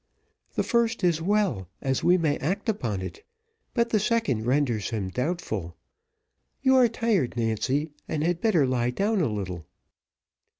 "The first is well, as we may act upon it, but the second renders him doubtful. You are tired, Nancy, and had better lie down a little."